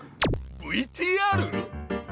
ＶＴＲ！？